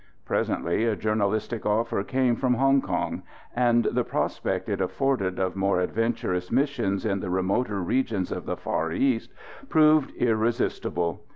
Presently a journalistic offer came from Hong Kong, and the prospect it afforded of more adventurous missions in the remoter regions of the Far East proved irresistible.